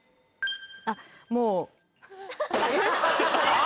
あっもう。